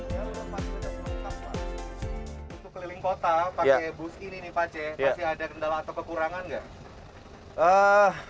untuk fasilitas pakai bus ini nih pak c masih ada kendala atau kekurangan nggak